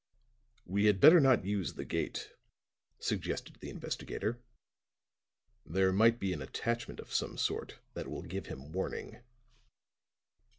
"We had better not use the gate," suggested the investigator. "There might be an attachment of some sort that will give him warning."